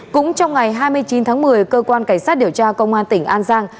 cũng trong ngày hai mươi chín tháng một mươi cơ quan cảnh sát điều tra công an tỉnh an giang